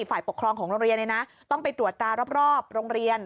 ฝ่ายปกครองของโรงเรียนต้องไปตรวจตารอบโรงเรียน